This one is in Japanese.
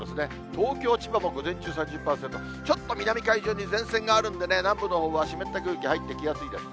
東京、千葉も午前中３０％、ちょっと南海上に前線があるんでね、南部のほうは湿った空気入ってきやすいです。